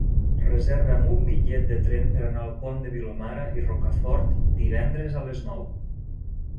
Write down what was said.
Reserva'm un bitllet de tren per anar al Pont de Vilomara i Rocafort divendres a les nou.